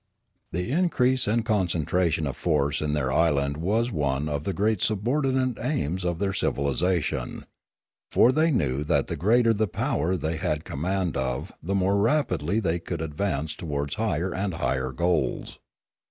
The increase and concentration of force in their island was one of the great subordinate aims of their civilisa tion. For they knew that the greater the power they had command of the more rapidly could they advance towards higher and higher goals.